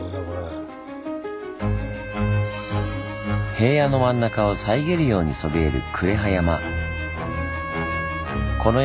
平野の真ん中を遮るようにそびえる呉羽山。